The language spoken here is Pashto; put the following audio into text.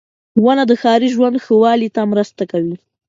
• ونه د ښاري ژوند ښه والي ته مرسته کوي.